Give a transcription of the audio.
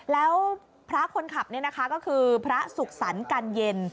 แล้วพระคนขับนี่นะคะก็คือพระสุขสรรค์กันเย็น